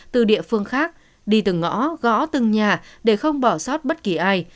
từ địa phương khác đi từng ngõ gõ từng nhà để không bỏ sót bất kỳ ai